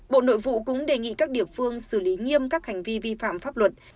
bộ nội vụ cũng đề nghị các địa phương xử lý nghiêm các hành vi vi phạm pháp luật